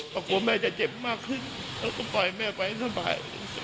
เพราะกลัวแม่จะเจ็บมากขึ้นแล้วก็ปล่อยแม่ไปให้สบาย